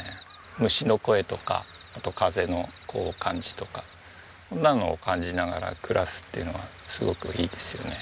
虫の声とかあと風の感じとかそんなのを感じながら暮らすっていうのはすごくいいですよね。